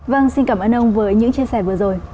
vâng xin cảm ơn ông với những chia sẻ vừa rồi